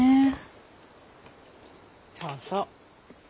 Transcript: そうそう。